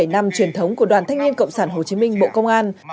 sáu mươi bảy năm truyền thống của đoàn thanh niên cộng sản hồ chí minh bộ công an